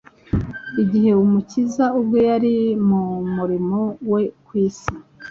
Igihe Umukiza ubwe yari mu murimo we ku isi